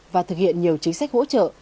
và thực hiện nhiều chính sách hỗ trợ